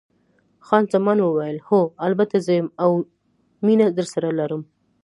خان زمان وویل: هو، البته زه یم، اوه، مینه درسره لرم.